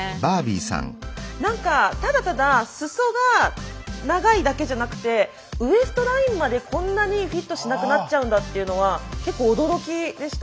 何かただただ裾が長いだけじゃなくてウエストラインまでこんなにフィットしなくなっちゃうんだっていうのは結構驚きでした。